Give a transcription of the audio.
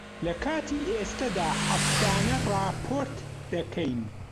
لەکاتی ئێستادا، هەفتانە ڕاپۆرت دەکەین.